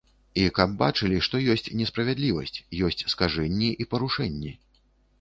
І каб бачылі, што ёсць несправядлівасць, ёсць скажэнні і парушэнні.